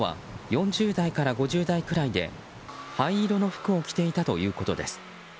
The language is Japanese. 逃げた男は４０代から５０代くらいで灰色の服を着ていたということです。